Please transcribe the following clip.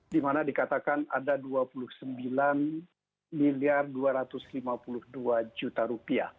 di mana dikatakan ada dua puluh sembilan miliar dua ratus lima puluh dua juta rupiah